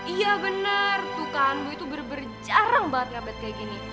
iya bener tuh kan boy itu bener bener jarang banget ngeupdate kayak gini